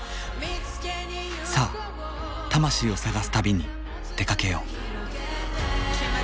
さあ魂を探す旅に出かけよう。